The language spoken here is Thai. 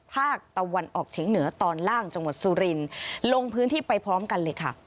ภาคตะวันออกเฉียงเหนือตอนล่างจังหวัดสุรินทร์ลงพื้นที่ไปพร้อมกันเลยค่ะ